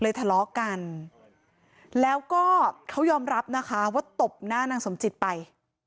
ทะเลาะกันแล้วก็เขายอมรับนะคะว่าตบหน้านางสมจิตไป